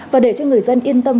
và để cho người dân yên tâm